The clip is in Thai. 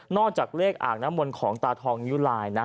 จากเลขอ่างน้ำมนต์ของตาทองนิ้วลายนะ